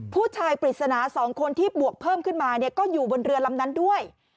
ปริศนา๒คนที่บวกเพิ่มขึ้นมาก็อยู่บนเรือลำนั้นด้วย